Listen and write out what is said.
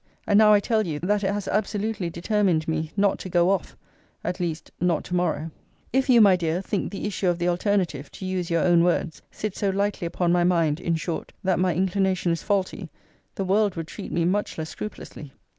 And now I tell you, that it has absolutely determined me not to go off; at least not to morrow. If you, my dear, think the issue of the alternative (to use your own words) sits so lightly upon my mind, in short, that my inclination is faulty; the world would treat me much less scrupulously.